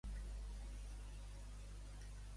Quan va triomfar en un certamen de teatre Xenocles?